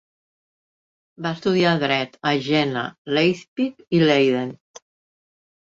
Va estudiar dret a Jena, Leipzig i Leyden.